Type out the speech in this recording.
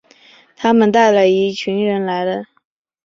他们带了一群人来了